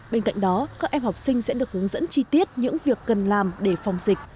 bên cạnh đó các em học sinh sẽ được hướng dẫn chi tiết những việc cần làm để phòng dịch